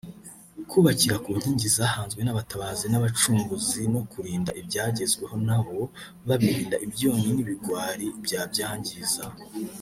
kubakira ku nkingi zahanzwe n’Abatabazi b’Abacunguzi no kurinda ibyagezweho na bo babirinda ibyonnyi n’ibigwari byabyangiza